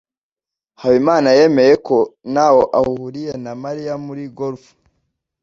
habimana yemeye ko ntaho ahuriye na mariya muri golf